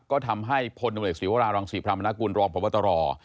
ก็ทำให้ผลนัวเหลกศรีวรารองศรีพรรมานากุลรองประวัตรร